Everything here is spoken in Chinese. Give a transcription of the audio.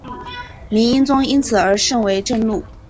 明英宗因此而甚为震怒。